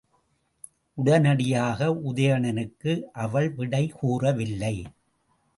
உடனடியாக உதயணனுக்கு அவள் விடை கூறவில்லை.